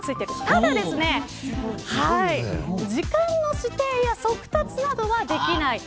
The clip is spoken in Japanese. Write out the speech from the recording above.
ただ、時間の指定や速達などはできません。